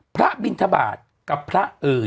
พระบินธบาทกับพระเอ่อ